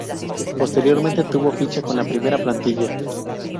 Posteriormente, tuvo ficha con la primera plantilla.